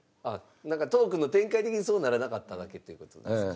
なんかトークの展開的にそうならなかっただけっていう事ですか？